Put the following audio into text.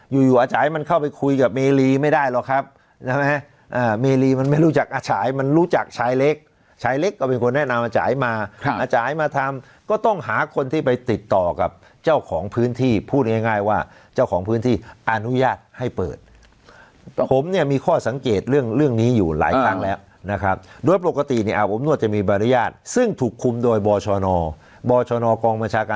อยู่อยู่อาจารย์มันเข้าไปคุยกับเมลีไม่ได้หรอกครับใช่ไหมอ่าเมลีมันไม่รู้จักอาจารย์มันรู้จักชายเล็กชายเล็กก็เป็นคนแนะนำอาจารย์มาค่ะอาจารย์มาทำก็ต้องหาคนที่ไปติดต่อกับเจ้าของพื้นที่พูดง่ายง่ายว่าเจ้าของพื้นที่อนุญาตให้เปิดผมเนี้ยมีข้อสังเกตเรื่องเรื่องนี้อยู่หลายครั้งแล้วนะครับโด